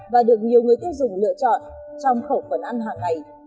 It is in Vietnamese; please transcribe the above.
và được nhiều người tiêu dùng lựa chọn trong khẩu phần ăn hàng ngày